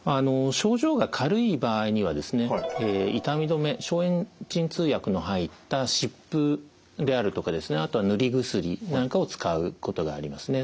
症状が軽い場合には痛み止め消炎鎮痛薬の入った湿布であるとかあとは塗り薬なんかを使うことがありますね。